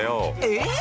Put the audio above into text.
えっ！